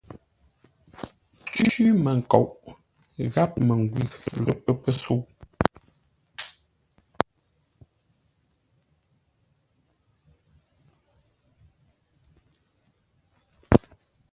Cwímənkoʼ gháp məngwʉ̂ lə pə́ pəsə̌u.